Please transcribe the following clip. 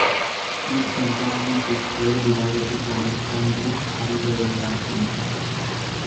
Each compartment is further divided to form a spongy alveolar region.